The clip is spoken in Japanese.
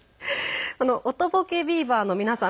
おとぼけビバの皆さん